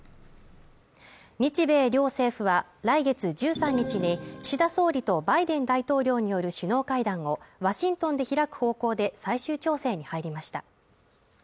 日米両政府は来月１３日に岸田総理とバイデン大統領による首脳会談をワシントンで開く方向で最終調整に入りました。